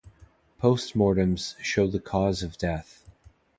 Post-mortems show the cause of death.